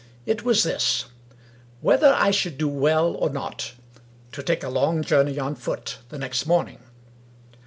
It was this : whether I should do well or not to take a long journey on foot the next morning.